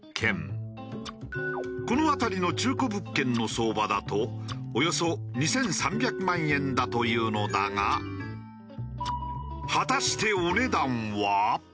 この辺りの中古物件の相場だとおよそ２３００万円だというのだが果たしてお値段は？